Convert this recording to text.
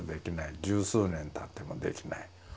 十数年たってもできない。